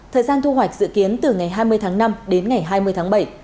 thời gian thu hoạch dự kiến từ ngày hai mươi tháng năm đến ngày hai mươi tháng bảy